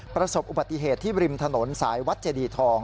ประสบอุบัติเหตุที่ริมถนนสายวัดเจดีทอง